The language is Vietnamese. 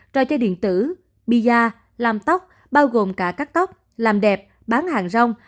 trò chơi điện tử piza làm tóc bao gồm cả cắt tóc làm đẹp bán hàng rong